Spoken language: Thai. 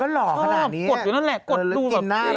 ชอบกดอยู่นั่นแหละกดดูแบบเอง